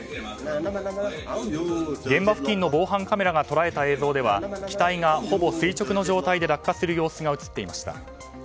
現場付近の防犯カメラが捉えた映像では機体がほぼ垂直の状態で落下する様子が映っていました。